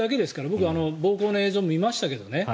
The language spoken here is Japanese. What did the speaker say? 僕、暴行の映像見ましたけどね。